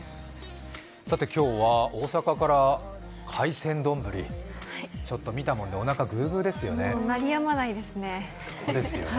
今日は大阪から海鮮丼ぶり、ちょっと見たもんでおなかグーグーですよね。